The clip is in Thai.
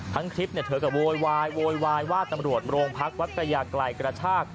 ทั้งคลิปเธอก็โวยวายว่าตำรวจโรงพักวัดกระยากลายกระชาก